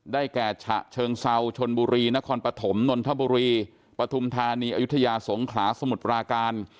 แก่ฉะเชิงเซาชนบุรีนครปฐมนนทบุรีปฐุมธานีอายุทยาสงขลาสมุทรปราการ